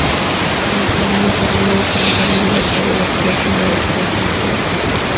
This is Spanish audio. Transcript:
El matrimonio fue arreglado por el padre de Lotario, Lotario I, por razones políticas.